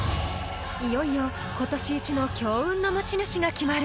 ［いよいよ今年イチの強運の持ち主が決まる］